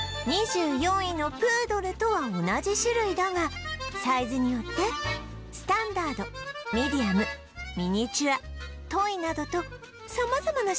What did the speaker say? ２４位のプードルとは同じ種類だがサイズによってスタンダードミディアムミニチュアトイなどと様々な種類に分類されているのですが